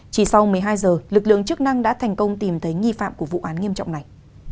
chỉ sau một mươi hai giờ lực lượng chức năng đã thành công tìm thấy nghi phạm của vụ án nghiêm trọng này